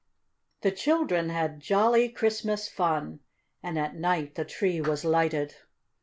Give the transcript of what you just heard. The children had jolly Christmas fun, and at night the tree was lighted.